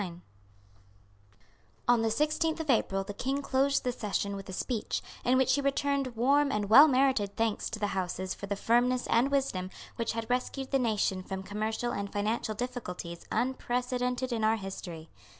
On the sixteenth of April, the King closed the session with a speech, in which he returned warm and well merited thanks to the Houses for the firmness and wisdom which had rescued the nation from commercial and financial difficulties unprecedented in our history.